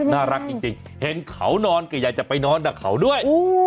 น่ารักจริงเห็นเขานอนก็อยากจะไปนอนกับเขาด้วย